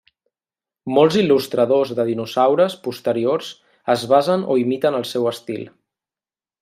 Molts il·lustradors de dinosaures posteriors es basen o imiten el seu estil.